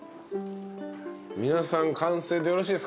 皆さん完成でよろしいですか？